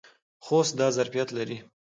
خوست دا ظرفیت لري.